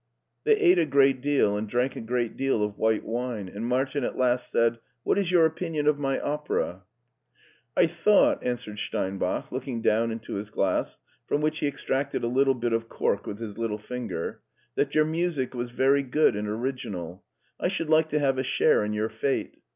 They ate a great deal, and drank a great deal of white wine, and Martin at last said, "What is your opinion of my opera?" "I thought," answered Steinbach, looking down into his glass, from which he extracted a little bit of cork with his little finger, " that your music was very good and original. I should like to have a share in your fate.